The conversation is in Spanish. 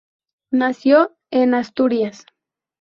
Nació en Asturias.